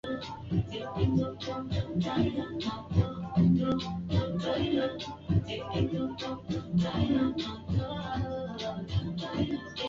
eeh kushusha tuhuma nzito mara baada ya kupata kichapo